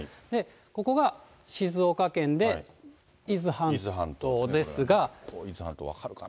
ここが静岡県で、ここ、伊豆半島、分かるかな。